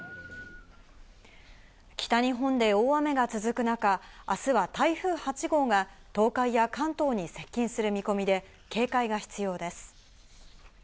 北日本で大雨が続く中、明日は台風８号が東海や関東に接近する見込みで警戒が必要です。